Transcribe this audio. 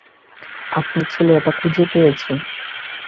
আপনার ছেলে এটা খুঁজে পেয়েছে।